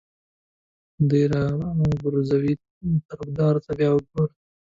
دې د ابروزي طرفدار ته بیا وګوره.